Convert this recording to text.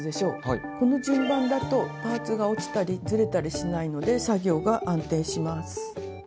この順番だとパーツが落ちたりずれたりしないので作業が安定します。